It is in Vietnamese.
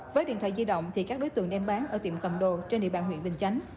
với điện thoại di động thì các đối tượng đem bán ở tiệm cầm đồ trên địa bàn huyện bình chánh